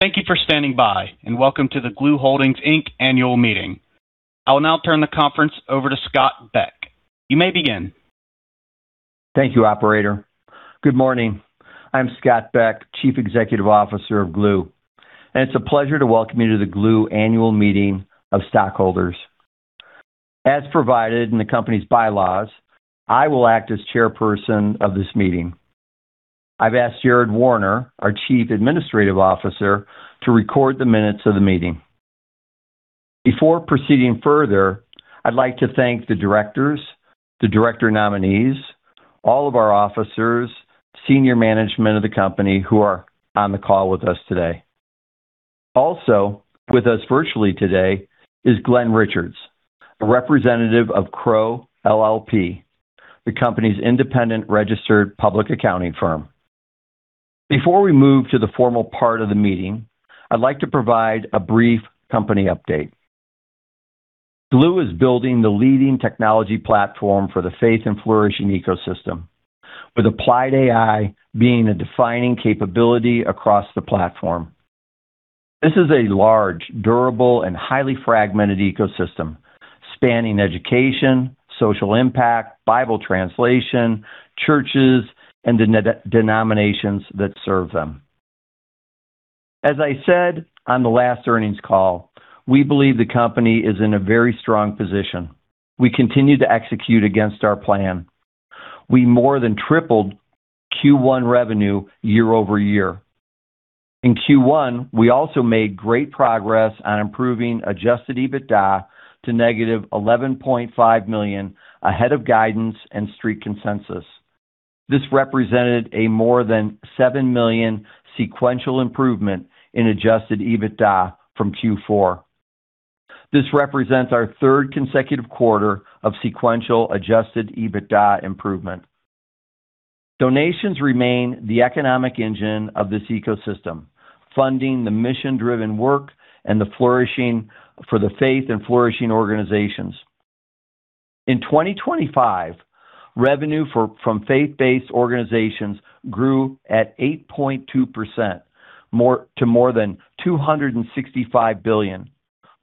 Thank you for standing by, and welcome to the Gloo Holdings Inc annual meeting. I will now turn the conference over to Scott Beck. You may begin. Thank you, operator. Good morning. I'm Scott Beck, Chief Executive Officer of Gloo, and it's a pleasure to welcome you to the Gloo annual meeting of stockholders. As provided in the company's bylaws, I will act as chairperson of this meeting. I've asked Jared Warner, our Chief Administrative Officer, to record the minutes of the meeting. Before proceeding further, I'd like to thank the directors, the director nominees, all of our officers, senior management of the company who are on the call with us today. Also with us virtually today is Glenn Richards, a representative of Crowe LLP, the company's independent registered public accounting firm. Before we move to the formal part of the meeting, I'd like to provide a brief company update. Gloo is building the leading technology platform for the faith and flourishing ecosystem, with applied AI being a defining capability across the platform. This is a large, durable, and highly fragmented ecosystem spanning education, social impact, Bible translation, churches, and the denominations that serve them. As I said on the last earnings call, we believe the company is in a very strong position. We continue to execute against our plan. We more than tripled Q1 revenue year-over-year. In Q1, we also made great progress on improving Adjusted EBITDA to negative $11.5 million ahead of guidance and Street consensus. This represented a more than $7 million sequential improvement in Adjusted EBITDA from Q4. This represents our third consecutive quarter of sequential Adjusted EBITDA improvement. Donations remain the economic engine of this ecosystem, funding the mission-driven work and the flourishing for the faith and flourishing organizations. In 2025, revenue from faith-based organizations grew at 8.2% to more than $265 billion,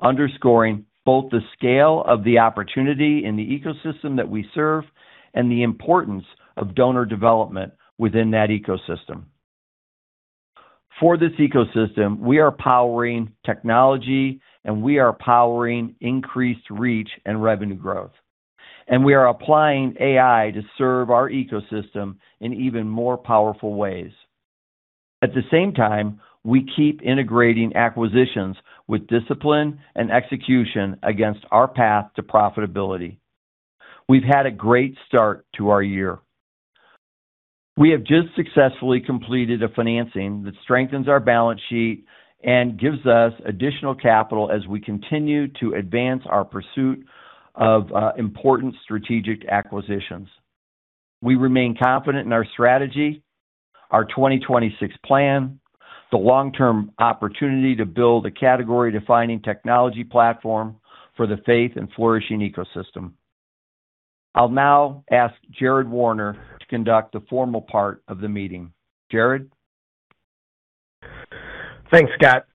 underscoring both the scale of the opportunity in the ecosystem that we serve and the importance of donor development within that ecosystem. For this ecosystem, we are powering technology, and we are powering increased reach and revenue growth, and we are applying AI to serve our ecosystem in even more powerful ways. At the same time, we keep integrating acquisitions with discipline and execution against our path to profitability. We've had a great start to our year. We have just successfully completed a financing that strengthens our balance sheet and gives us additional capital as we continue to advance our pursuit of important strategic acquisitions. We remain confident in our strategy, our 2026 plan, the long-term opportunity to build a category-defining technology platform for the faith and flourishing ecosystem. I'll now ask Jared Warner to conduct the formal part of the meeting. Jared? Thanks, Scott.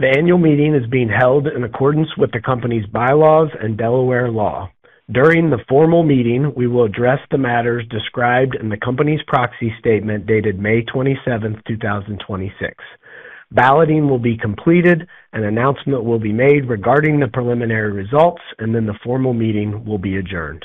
The annual meeting is being held in accordance with the company's bylaws and Delaware law. During the formal meeting, we will address the matters described in the company's proxy statement dated May 27th, 2026. Balloting will be completed. An announcement will be made regarding the preliminary results. Then the formal meeting will be adjourned.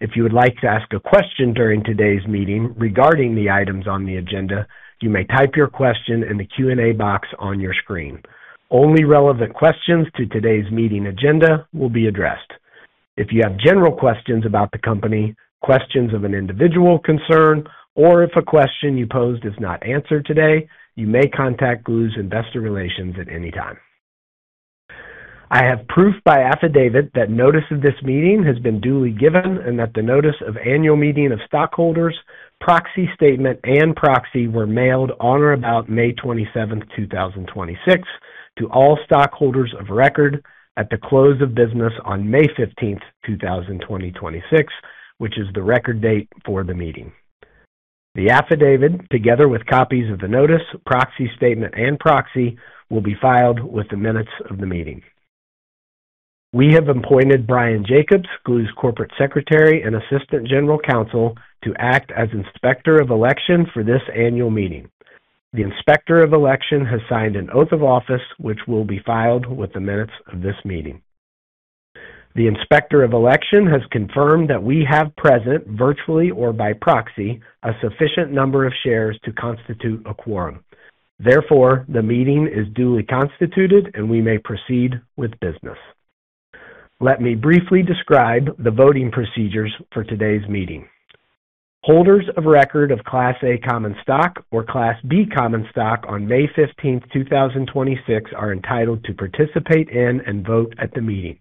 If you would like to ask a question during today's meeting regarding the items on the agenda, you may type your question in the Q&A box on your screen. Only relevant questions to today's meeting agenda will be addressed. If you have general questions about the company, questions of an individual concern, or if a question you posed is not answered today, you may contact Gloo's investor relations at any time. I have proof by affidavit that notice of this meeting has been duly given and that the notice of annual meeting of stockholders, proxy statement, and proxy were mailed on or about May 27th, 2026, to all stockholders of record at the close of business on May 15th, 2026, which is the record date for the meeting. The affidavit, together with copies of the notice, proxy statement, and proxy, will be filed with the minutes of the meeting. We have appointed Brian Jacobs, Gloo's corporate secretary and assistant general counsel, to act as Inspector of Election for this annual meeting. The Inspector of Election has signed an oath of office, which will be filed with the minutes of this meeting. The Inspector of Election has confirmed that we have present, virtually or by proxy, a sufficient number of shares to constitute a quorum. Therefore, the meeting is duly constituted. We may proceed with business. Let me briefly describe the voting procedures for today's meeting. Holders of record of Class A common stock or Class B common stock on May 15th, 2026, are entitled to participate in and vote at the meeting.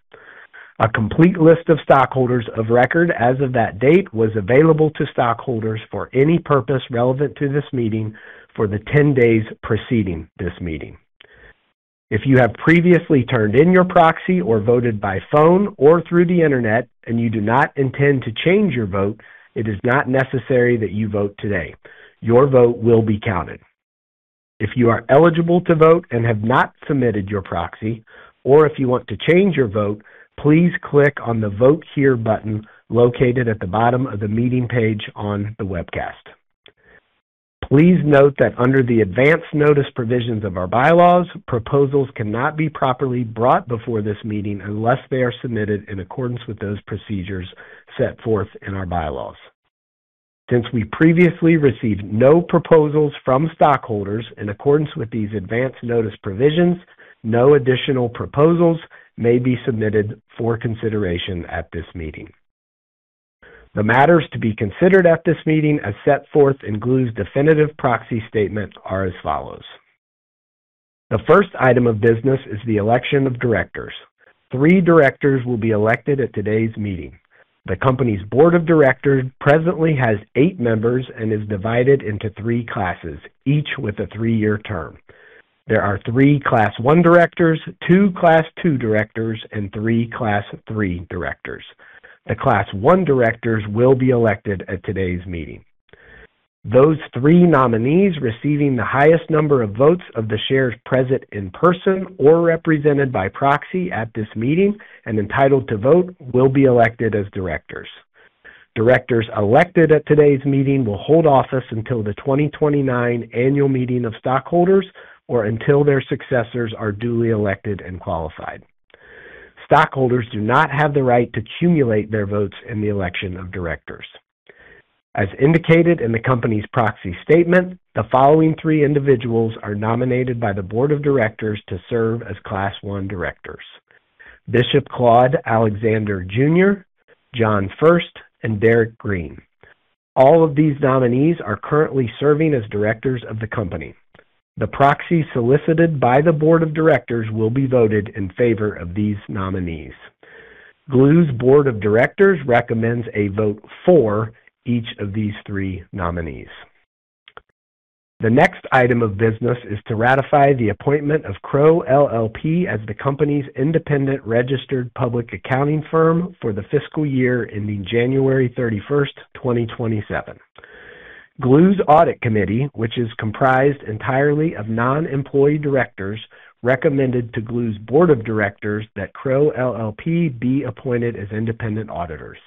A complete list of stockholders of record as of that date was available to stockholders for any purpose relevant to this meeting for the 10 days preceding this meeting. If you have previously turned in your proxy or voted by phone or through the internet, and you do not intend to change your vote, it is not necessary that you vote today. Your vote will be counted. If you are eligible to vote and have not submitted your proxy, or if you want to change your vote, please click on the Vote Here button located at the bottom of the meeting page on the webcast. Please note that under the advance notice provisions of our bylaws, proposals cannot be properly brought before this meeting unless they are submitted in accordance with those procedures set forth in our bylaws. Since we previously received no proposals from stockholders in accordance with these advance notice provisions, no additional proposals may be submitted for consideration at this meeting. The matters to be considered at this meeting, as set forth in Gloo's definitive proxy statement, are as follows. The first item of business is the election of directors. Three directors will be elected at today's meeting. The company's board of directors presently has eight members and is divided into three classes, each with a three-year term. There are three Class I directors, two Class II directors, and three Class III directors. The Class I directors will be elected at today's meeting. Those three nominees receiving the highest number of votes of the shares present in person or represented by proxy at this meeting and entitled to vote will be elected as directors. Directors elected at today's meeting will hold office until the 2029 annual meeting of stockholders or until their successors are duly elected and qualified. Stockholders do not have the right to cumulate their votes in the election of directors. As indicated in the company's proxy statement, the following three individuals are nominated by the board of directors to serve as Class I directors: Bishop Claude Alexander Jr., John Furst, and Derrick Green. All of these nominees are currently serving as directors of the company. The proxy solicited by the board of directors will be voted in favor of these nominees. Gloo's board of directors recommends a vote for each of these three nominees. The next item of business is to ratify the appointment of Crowe LLP as the company's independent registered public accounting firm for the fiscal year ending January 31st, 2027. Gloo's audit committee, which is comprised entirely of non-employee directors, recommended to Gloo's board of directors that Crowe LLP be appointed as independent auditors.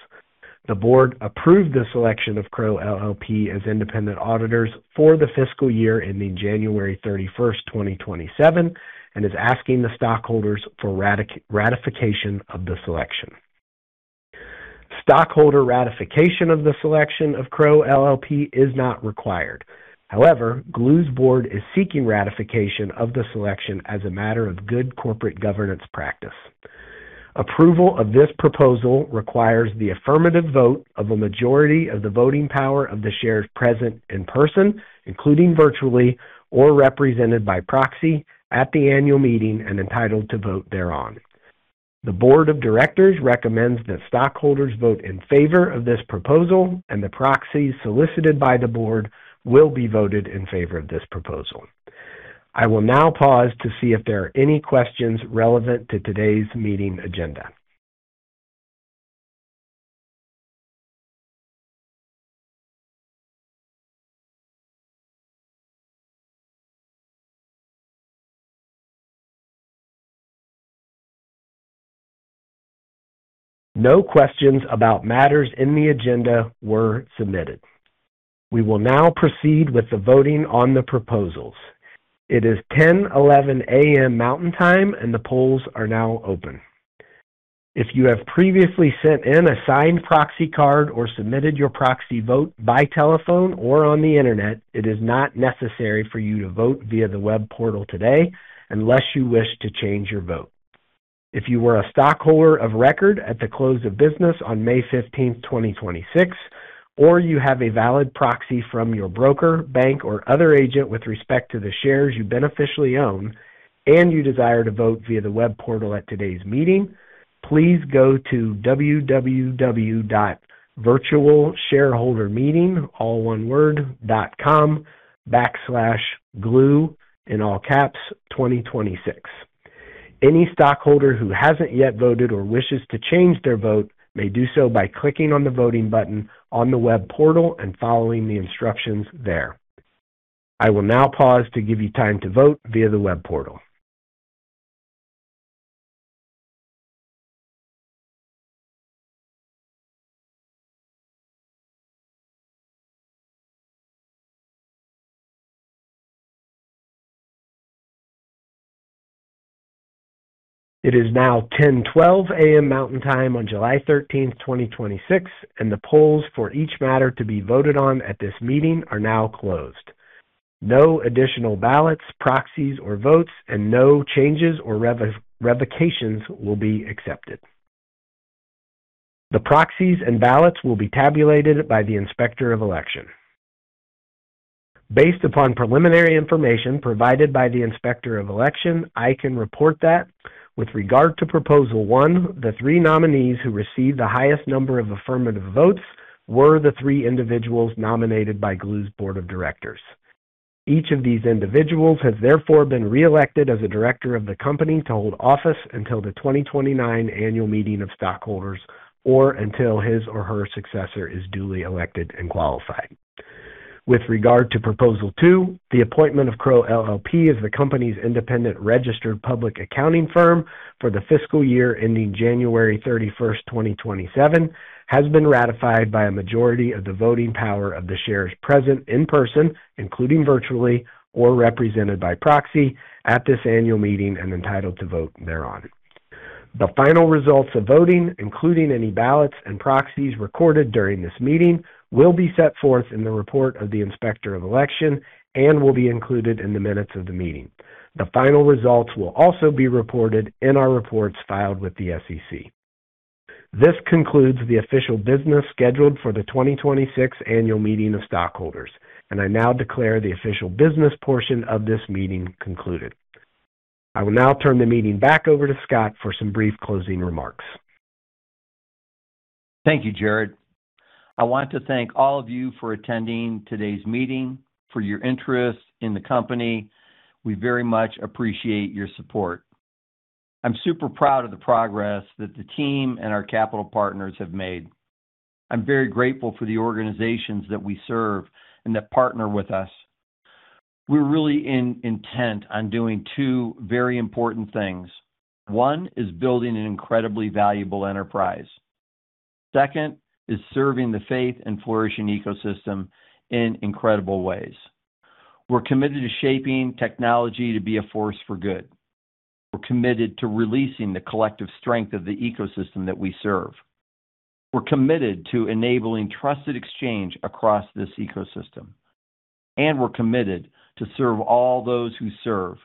The board approved the selection of Crowe LLP as independent auditors for the fiscal year ending January 31st, 2027, and is asking the stockholders for ratification of the selection. Stockholder ratification of the selection of Crowe LLP is not required. However, Gloo's board is seeking ratification of the selection as a matter of good corporate governance practice. Approval of this proposal requires the affirmative vote of a majority of the voting power of the shares present in person, including virtually, or represented by proxy at the annual meeting and entitled to vote thereon. The board of directors recommends that stockholders vote in favor of this proposal, and the proxies solicited by the board will be voted in favor of this proposal. I will now pause to see if there are any questions relevant to today's meeting agenda. No questions about matters in the agenda were submitted. We will now proceed with the voting on the proposals. It is 10:11 A.M. Mountain Time, and the polls are now open. If you have previously sent in a signed proxy card or submitted your proxy vote by telephone or on the internet, it is not necessary for you to vote via the web portal today unless you wish to change your vote. If you were a stockholder of record at the close of business on May 15th, 2026, or you have a valid proxy from your broker, bank, or other agent with respect to the shares you beneficially own and you desire to vote via the web portal at today's meeting, please go to www.virtualshareholdermeeting.com/GLOO2026. Any stockholder who hasn't yet voted or wishes to change their vote may do so by clicking on the voting button on the web portal and following the instructions there. I will now pause to give you time to vote via the web portal. It is now 10:12 A.M. Mountain Time on July 13th, 2026. The polls for each matter to be voted on at this meeting are now closed. No additional ballots, proxies, or votes, and no changes or revocations will be accepted. The proxies and ballots will be tabulated by the Inspector of Election. Based upon preliminary information provided by the Inspector of Election, I can report that with regard to proposal one, the three nominees who received the highest number of affirmative votes were the three individuals nominated by Gloo's board of directors. Each of these individuals has therefore been reelected as a director of the company to hold office until the 2029 annual meeting of stockholders, or until his or her successor is duly elected and qualified. With regard to proposal two, the appointment of Crowe LLP as the company's independent registered public accounting firm for the fiscal year ending January 31st, 2027, has been ratified by a majority of the voting power of the shares present in person, including virtually or represented by proxy, at this annual meeting and entitled to vote thereon. The final results of voting, including any ballots and proxies recorded during this meeting, will be set forth in the report of the Inspector of Election and will be included in the minutes of the meeting. The final results will also be reported in our reports filed with the SEC. This concludes the official business scheduled for the 2026 annual meeting of stockholders. I now declare the official business portion of this meeting concluded. I will now turn the meeting back over to Scott for some brief closing remarks. Thank you, Jared. I want to thank all of you for attending today's meeting, for your interest in the company. We very much appreciate your support. I'm super proud of the progress that the team and our capital partners have made. I'm very grateful for the organizations that we serve and that partner with us. We're really intent on doing two very important things. One is building an incredibly valuable enterprise. Second is serving the faith and flourishing ecosystem in incredible ways. We're committed to shaping technology to be a force for good. We're committed to releasing the collective strength of the ecosystem that we serve. We're committed to enabling trusted exchange across this ecosystem. We're committed to serve all those who serve,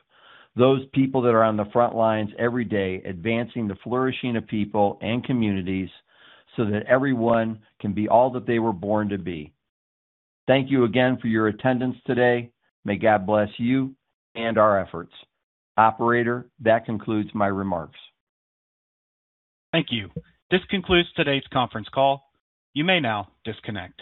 those people that are on the front lines every day advancing the flourishing of people and communities so that everyone can be all that they were born to be. Thank you again for your attendance today. May God bless you and our efforts. Operator, that concludes my remarks. Thank you. This concludes today's conference call. You may now disconnect.